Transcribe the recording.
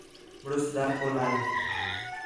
مُݨس دَر کھولا ہِے